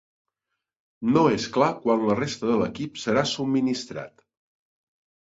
No és clar quan la resta de l'equip serà subministrat.